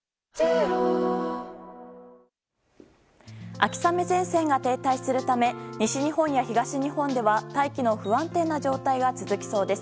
秋雨前線が停滞するため西日本や東日本では大気の不安定な状態が続きそうです。